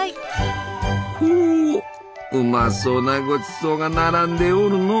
ほううまそうなごちそうが並んでおるのう！